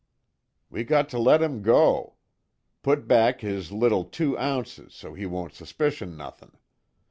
"We got to let him go. Put back his little two ounces, so he won't suspicion nothin'.